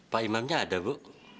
pak imamnya ada bu